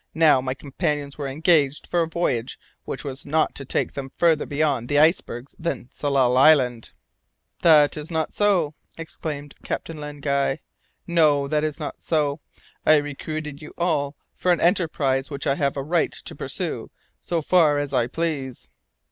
Now, my companions were engaged for a voyage which was not to take them farther beyond the icebergs than Tsalal Island." "That is not so," exclaimed Captain Len Guy. "No! That is not so. I recruited you all for an enterprise which I have a right to pursue, so far as I please."